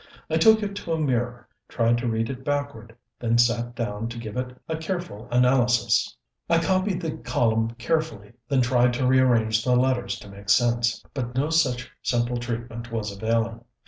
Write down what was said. I took it to a mirror, tried to read it backward, then sat down to give it a careful analysis. I copied the column carefully, then tried to rearrange the letters to make sense. But no such simple treatment was availing.